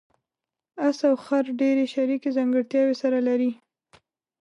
اس او خر ډېرې شریکې ځانګړتیاوې سره لري.